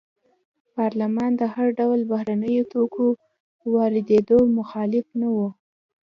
پارلمان د هر ډول بهرنیو توکو واردېدو مخالف نه و.